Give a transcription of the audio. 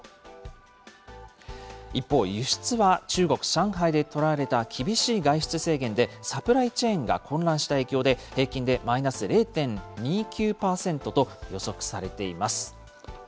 一方、輸出は中国・上海で取られた厳しい外出制限で、サプライチェーンが混乱した影響で、平均でマイナス０．２９％と予測されています。